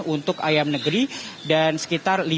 untuk ayam negeri dan sekitar